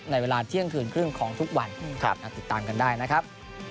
เวลาเที่ยงคืนครึ่งของทุกวันติดตามกันได้นะครับ